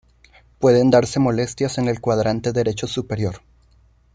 Pueden darse molestias en el cuadrante derecho superior.